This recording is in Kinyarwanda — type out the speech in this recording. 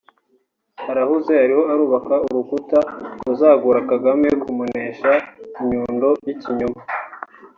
Arahuze ariho arubaka urukuta ruzagora Kagame kumenesha inyundo z’ikinyoma